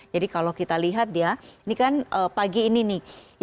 jadi kalau kita lihat ini kan pagi ini